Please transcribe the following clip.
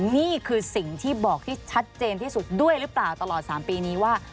นี่คือสิ่งที่บอกที่ชัดเจนที่สุดด้วยหรือเปล่าตลอด๓ปีนี้ว่า